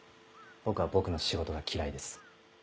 僕は僕の仕事が嫌いです。